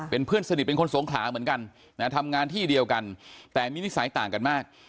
เป็นเพื่อนสนิทเป็นคนสงขลาเหมือนกันนะทำงานที่เดียวกันแต่มีนิสัยต่างกันมาก